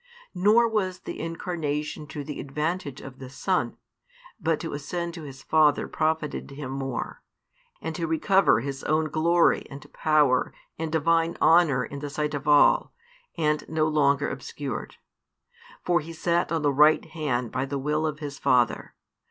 Nor was the Incarnation to the advantage of the Son, but to ascend to His Father profited Him more, and to recover His own glory and power and Divine honour in the sight of all, and no longer obscured. For He sat on the right hand by the will of His Father.